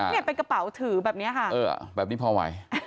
เนี่ยเป็นกระเป๋าถือแบบนี้ค่ะเออแบบนี้พอไหว